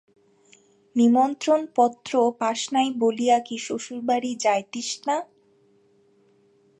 নিমন্ত্রণপত্র পাস নাই বলিয়া কি শ্বশুরবাড়ি যাইতিস না?